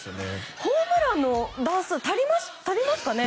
ホームランの段数足りますかね。